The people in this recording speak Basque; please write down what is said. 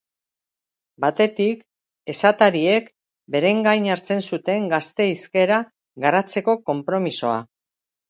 Batetik, esatariek beren gain hartzen zuten gazte hizkera garatzeko konpromisoa.